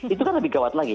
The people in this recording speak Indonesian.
itu kan lebih gawat lagi